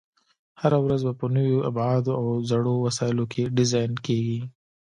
هره ورځ به په نویو ابعادو او زړو وسایلو کې ډیزاین کېږي.